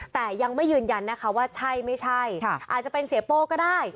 แต่ยังไม่ยืนยันนะคะว่าใช่ไม่ใช่อาจจะเป็นเสียโป้ก็ได้